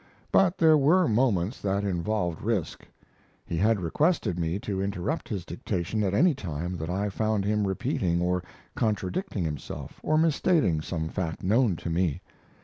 But there were moments that involved risk. He had requested me to interrupt his dictation at any time that I found him repeating or contradicting himself, or misstating some fact known to me.